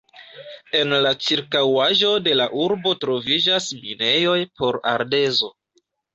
En la ĉirkaŭaĵo de la urbo troviĝas minejoj por ardezo.